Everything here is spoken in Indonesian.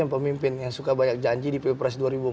pemimpin yang suka banyak janji di pilpres dua ribu empat belas